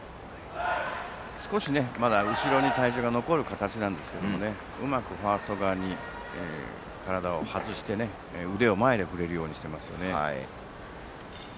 少しまだ後ろに体重が残る形ですがうまくファースト側に体を外して腕を前で振れるようにしてますね。